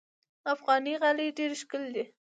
افغاني غالۍ ډېرې ښکلې دي.